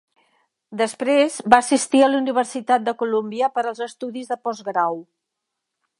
Després va assistir a la Universitat de Columbia per als estudis de postgrau.